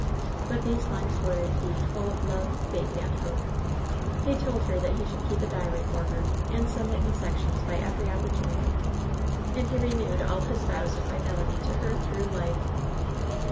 But these lines were, indeed, full of love, faith and hope. He told her that he should keep a diary for her, and send it in sections by every opportu nity. And he renewed all his vows of fidelity to her through life.